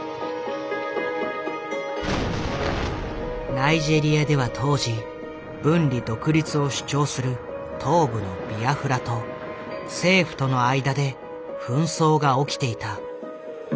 ナイジェリアでは当時分離独立を主張する東部のビアフラと政府との間で紛争が起きていた。